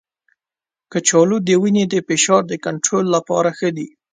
کچالو د وینې د فشار د کنټرول لپاره ښه دی.